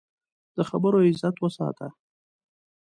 د خبرو عزت وساته